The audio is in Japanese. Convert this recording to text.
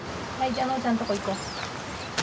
じゃあのちゃんとこ行こう。